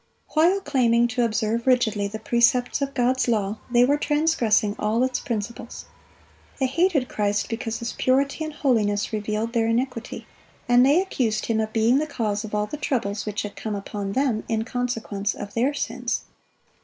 While claiming to observe rigidly the precepts of God's law, they were transgressing all its principles. They hated Christ because His purity and holiness revealed their iniquity; and they accused Him of being the cause of all the troubles which had come upon them in consequence of their sins.